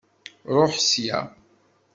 Ṛuḥ sya!